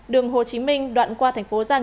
đường hồ chí minh đoạn qua thành phố giang